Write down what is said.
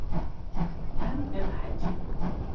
Em nebehecîn.